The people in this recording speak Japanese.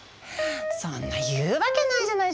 そんな言うわけないじゃない。